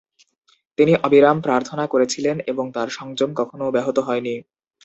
তিনি অবিরাম প্রার্থনা করেছিলেন এবং তাঁর সংযম কখনও ব্যাহত হয়নি।